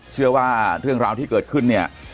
เชื่อว่าเรื่องราวที่เกิดขึ้นเนี่ย